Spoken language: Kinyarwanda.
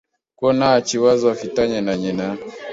ko nta kibazo afitanye na nyina